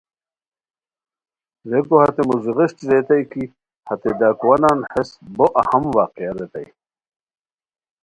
ریکو ہتے موژغیݰٹی ریتائے کی ہتے ڈاکوانان ہیس بو اہم واقعہ ریتائے